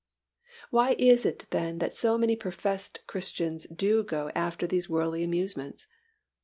Why is it then that so many professed Christians do go after these worldly amusements?